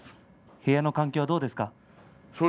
部屋の環境はどうですか？